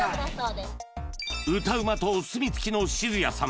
歌うまとお墨付きのシズヤさん